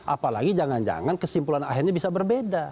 apalagi jangan jangan kesimpulan akhirnya bisa berbeda